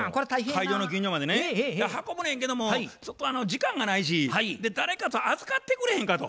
会場の近所までね運ぶねんけども時間がないし誰か預かってくれへんかと。